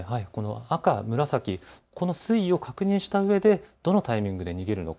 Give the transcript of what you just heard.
赤、紫、この水位を確認したうえでどのタイミングで逃げるのか。